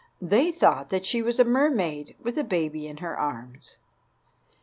They thought that she was a mermaid with a baby in her arms.